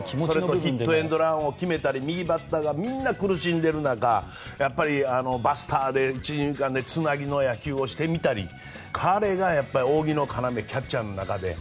ヒットエンドランを決めたり右バッターがみんな苦しんでいる中バスターで１・２塁間でつなぎの野球をしてみたり彼が扇の要キャッチャーの中で。